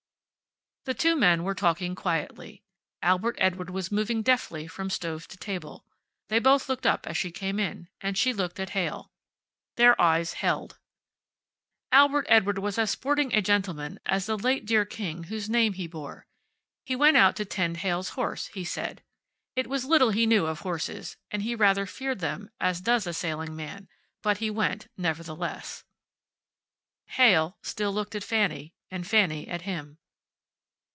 The two men were talking quietly. Albert Edward was moving deftly from stove to table. They both looked up as she came in, and she looked at Heyl. Their eyes held. Albert Edward was as sporting a gentleman as the late dear king whose name he bore. He went out to tend Heyl's horse, he said. It was little he knew of horses, and he rather feared them, as does a sailing man. But he went, nevertheless. Heyl still looked at Fanny, and Fanny at him.